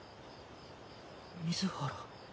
水原。